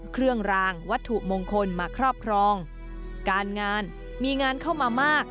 เครื่องรางวัตถุมงคลมาครอบครองการงานมีงานเข้ามามาก